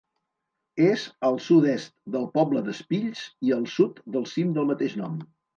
És al sud-est del poble d'Espills i al sud del cim del mateix nom.